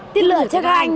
tiếp lược cho các anh